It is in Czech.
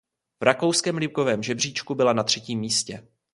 V rakouském ligovém žebříčku byla na třetím místě.